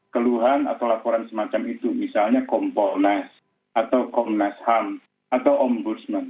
keluhan atau laporan semacam itu misalnya komponens atau komnasham atau ombudsman